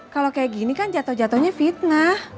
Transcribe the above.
kalau kayak gini kan jatoh jatohnya fitnah